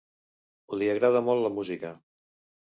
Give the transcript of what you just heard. Li agrada molt la música.